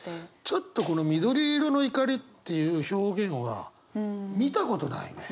ちょっとこの「緑色の怒り」っていう表現は見たことないね。